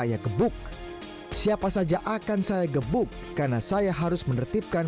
saya gebuk siapa saja akan saya gebuk karena saya harus menertibkan